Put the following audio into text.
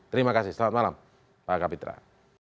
terima kasih selamat malam pak kapitra